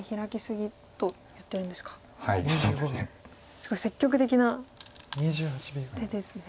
すごい積極的な手ですね。